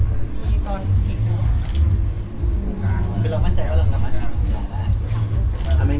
คุณแม่ง